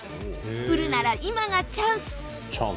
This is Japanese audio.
売るなら今がチャンス！